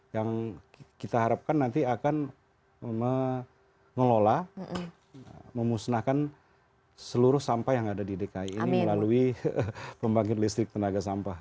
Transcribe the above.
yang kita harapkan nanti akan mengelola memusnahkan seluruh sampah yang ada di dki ini melalui pembangkit listrik tenaga sampah